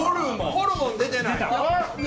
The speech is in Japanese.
ホルモン出てない。